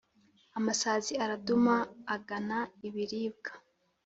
Amasazi araduma agana ibiribwa